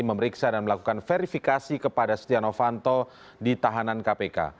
memeriksa dan melakukan verifikasi kepada setia novanto di tahanan kpk